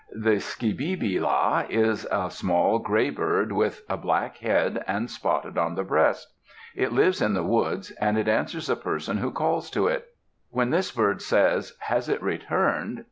The Ski bi bi la is a small gray bird, with a black head, and spotted on the breast. It lives in the woods, and it answers a person who calls to it. When this bird says, "Has it returned?"